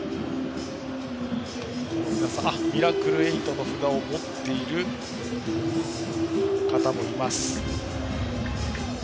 ミラクルエイトの札を持っている方もいます。